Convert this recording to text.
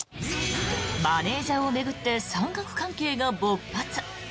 マネジャーを巡って三角関係が勃発。